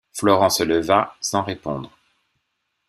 Florent se leva, sans répondre.